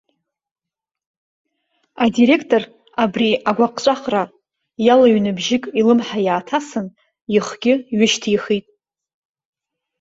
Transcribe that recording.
Адиректор абри агәаҟҵәаҟра иалыҩны бжьык илымҳа иааҭасын, ихгьы ҩышьҭихит.